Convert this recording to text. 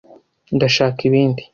Ndashaka ibindi.